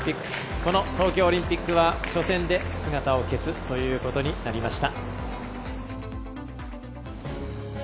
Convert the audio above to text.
この東京オリンピックは初戦で姿を消すということになりました。